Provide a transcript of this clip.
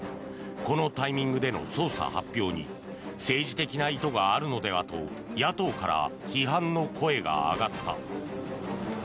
このタイミングでの捜査発表に政治的な意図があるのではと野党から批判の声が上がった。